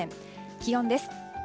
気温です。